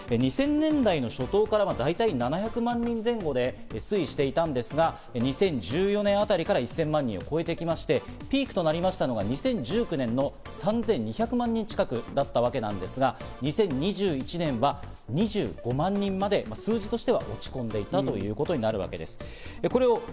２０００年代の初頭からは大体７００万人前後で推移していたんですが、２０１４年あたりから１０００万人を超えてきまして、ピークとなりましたのが２０１９年の３２００万人近くだったわけなんですが、２０２１年は２５万にまで、数字としては落ち込んでいたということになるわけです。